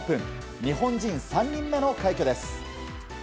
日本人３人目の快挙です。